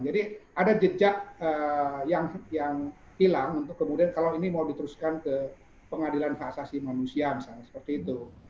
jadi ada jejak yang hilang untuk kemudian kalau ini mau diteruskan ke pengadilan fahasasi manusia misalnya seperti itu